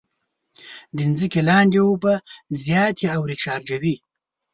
د ځمکې لاندې اوبه زیاتې او ریچارجوي.